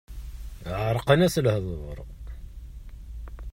Ɛerqen-as lehdur.